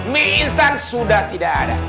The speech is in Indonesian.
mie instan sudah tidak ada